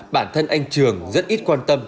bản thân anh trường rất ít quan tâm